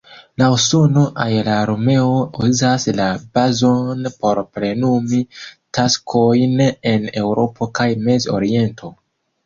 La usona aerarmeo uzas la bazon por plenumi taskojn en Eŭropo kaj Mez-Oriento.